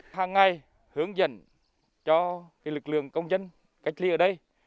hàng ngày hướng dẫn cho lực lượng công dân cách ly ở đây